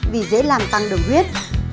vì dễ làm tăng đồng huyết